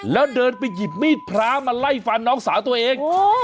แล้วเดินไปหยิบมีดพระมาไล่ฟันน้องสาวตัวเอง